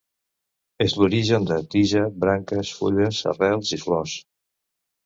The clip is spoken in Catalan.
És l'origen de tija, branques, fulles, arrels i flors.